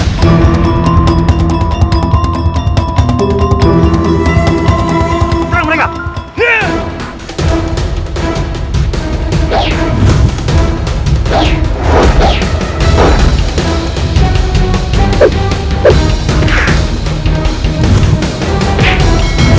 jangan mencari mati